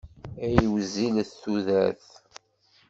Ay wezzilet tudert!